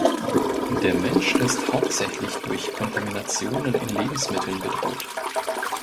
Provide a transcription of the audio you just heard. Der Mensch ist hauptsächlich durch Kontaminationen in Lebensmitteln bedroht.